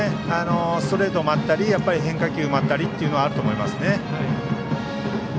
ストレートを待ったり変化球を待ったりというのはあると思いますね。